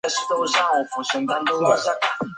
沃沙西。